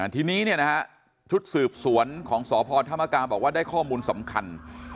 ทีนี้เนี่ยนะฮะชุดสืบสวนของสพทบบอกว่าได้ข้อมูลสำคัญ